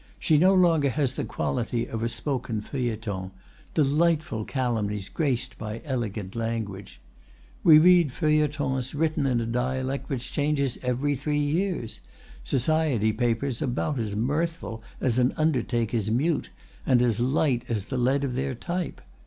"She no longer has the quality of a spoken feuilleton—delightful calumnies graced by elegant language. We read feuilletons written in a dialect which changes every three years, society papers about as mirthful as an undertaker's mute, and as light as the lead of their type.